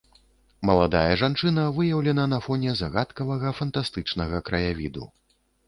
Маладая жанчына выяўлена на фоне загадкавага, фантастычнага краявіду.